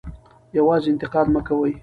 یوازې انتقاد مه کوئ.